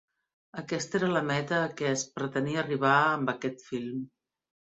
Aquesta era la meta a què es pretenia arribar amb aquest film.